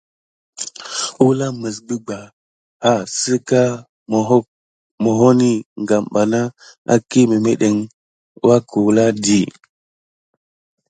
Əwla miɓebaha sika mohoni kam bana aki mimedint kualkum di.